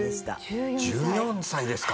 １４歳ですか？